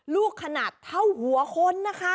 ลูกขนาดเท่าหัวคนนะคะ